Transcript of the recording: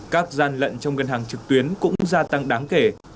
các gian lận trong ngân hàng trực tuyến cũng gia tăng đáng kể